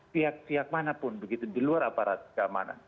pihak pihak manapun begitu di luar aparat keamanan